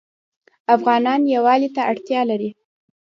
افغانان یووالي ته اړتیا لري.